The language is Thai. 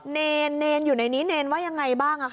เนรเนรอยู่ในนี้เนรว่ายังไงบ้าง